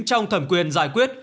trong thẩm quyền giải quyết